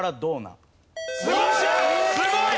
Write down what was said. すごい！